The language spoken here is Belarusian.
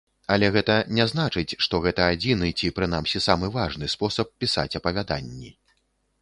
Але гэта не значыць, што гэта адзіны, ці прынамсі самы важны спосаб пісаць апавяданні.